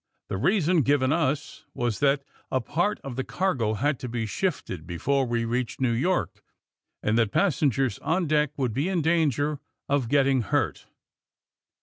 The reason given us was that a part of the cargo had to be shifted before we reached New York, and that passengers on deck would be in danger of getting hurt."